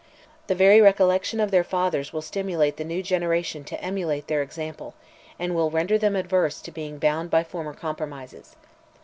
The very recollection of their fathers will stimulate the new generation to emulate their example, and will render them averse to being bound by former compromises.